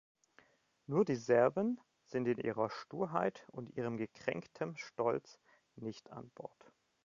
Nur die Serben sind in ihrer Sturheit und ihrem gekränktem Stolz nicht an Bord.